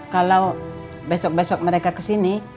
kalau besok besok mereka kesini